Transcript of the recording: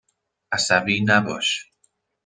عصبی نباش.